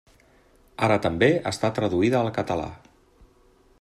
Ara també està traduïda al català.